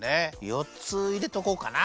よっついれとこうかな。